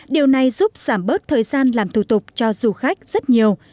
điều này giúp giảm bớt thời gian làm thủ tục cho du khách rất nhiều